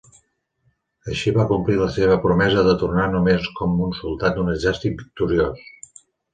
Així va complir la seva promesa de tornar només com un soldat d'un exèrcit victoriós.